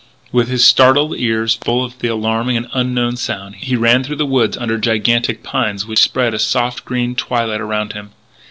With his startled ears full of the alarming and unknown sound, he ran through the woods under gigantic pines which spread a soft green twilight around him.